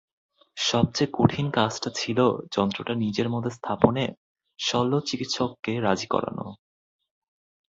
সবচেয়ে কঠিন কাজটা ছিল যন্ত্রটা নিজের মধ্যে স্থাপনে শল্যচিকিৎসককে রাজি করানো।